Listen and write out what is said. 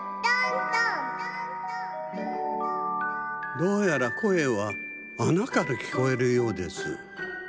どうやらこえはあなからきこえるようです。